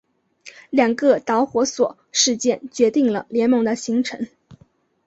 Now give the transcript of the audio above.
两个导火索事件决定了联盟的形成。